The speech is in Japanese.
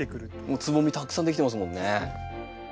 もうつぼみたくさんできてますもんね。